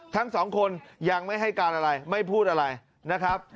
ทั้งสองคนยังไม่ให้การอะไรไม่พูดอะไรนะครับ